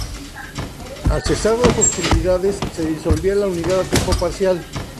Al cesar las hostilidades se disolvía la unidad a tiempo parcial.